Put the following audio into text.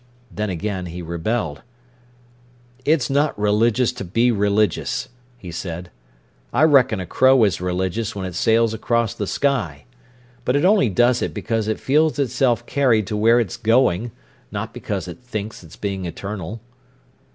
Then again he rebelled. "It's not religious to be religious," he said. "I reckon a crow is religious when it sails across the sky. But it only does it because it feels itself carried to where it's going, not because it thinks it is being eternal."